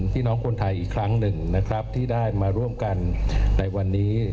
พี่น้องคนไทยอีกครั้งหนึ่งนะครับที่ได้มาร่วมกันในวันนี้